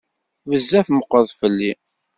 Bezzaf meqqret fell-i.